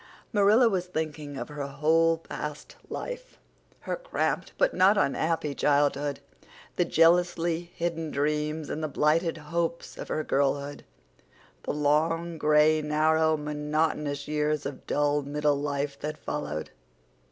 Marilla was thinking of her whole past life, her cramped but not unhappy childhood, the jealously hidden dreams and the blighted hopes of her girlhood, the long, gray, narrow, monotonous years of dull middle life that followed.